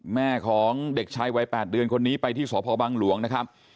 แม่ของเด็กชายวัย๘เดือนคนนี้ไปที่สพบังหลวงนะครับ